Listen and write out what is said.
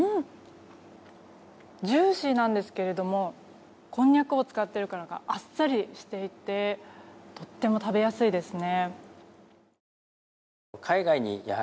ジューシーなんですけどこんにゃくを使っているからかあっさりしていてとても食べやすいですね。